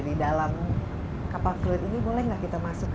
di dalam kapal tol laut ini boleh tidak kita masuk